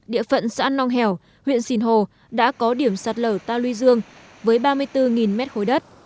địa phận xã nong hẻo huyện sìn hồ đã có điểm sạt lở ta luy dương với ba mươi bốn mét khối đất